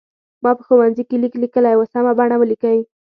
ما په ښوونځي کې لیک لیکلی و سمه بڼه ولیکئ.